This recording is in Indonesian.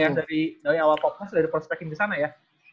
dari awal popnas udah diprospekin di sana ya